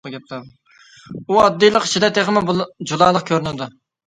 ئۇ ئاددىيلىق ئىچىدە تېخىمۇ جۇلالىق كۆرۈنىدۇ.